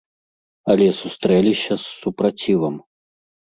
Але сустрэліся з супрацівам.